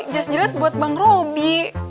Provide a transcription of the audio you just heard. jelas jelas buat bang roby